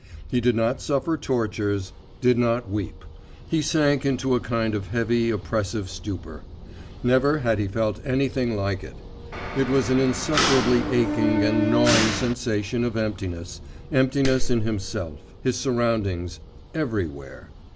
He did not suffer tortures, did not weep; he sank into a kind of heavy, oppressive stupor. Never had he felt anything like it; it was an insufferably aching and gnawing sensation of emptiness, emptiness in himself, his surroundings, everywhere....